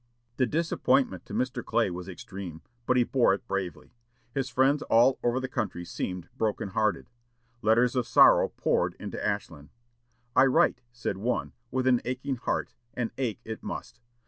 The disappointment to Mr. Clay was extreme, but he bore it bravely. His friends all over the country seemed broken hearted. Letters of sorrow poured into Ashland. "I write," said one, "with an aching heart, and ache it must.